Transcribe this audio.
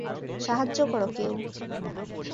সাহায্য করো কেউ!